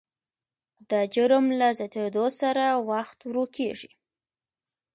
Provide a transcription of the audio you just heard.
د جرم له زیاتېدو سره وخت ورو کېږي.